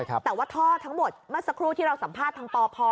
แต่ว่าท่อทั้งหมดเมื่อสักครู่ที่เราสัมภาษณ์ทางปพ